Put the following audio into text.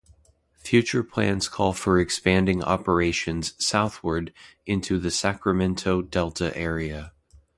Future plans call for expanding operations southward into the Sacramento River Delta area.